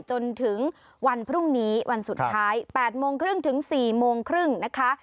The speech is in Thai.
จนถึงวันพรุ่งนี้วันสุดท้าย๘โมงครึ่งถึง๔โมงครึ่งนะคะ